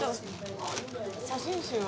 写真集を。